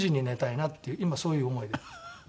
今そういう思いでいます。